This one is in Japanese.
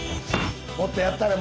もっとやったれ！